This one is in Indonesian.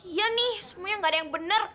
iya nih semuanya nggak ada yang bener